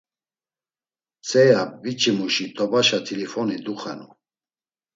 Mtzea biç̌imuşi t̆obaşa t̆ilifoni duxenu.